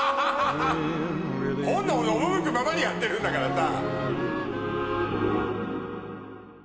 本能の赴くままにやってるんだからさ。